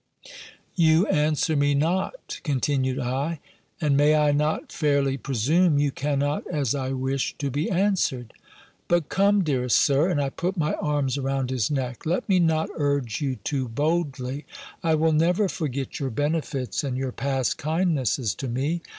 "You answer me not," continued I; "and may I not fairly presume you cannot as I wish to be answered? But come, dearest Sir," (and I put my arms around his neck) "let me not urge you too boldly. I will never forget your benefits, and your past kindnesses to me.